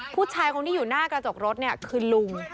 ผู้ชายคนที่อยู่หน้ากระจกรถเนี่ยคือลุง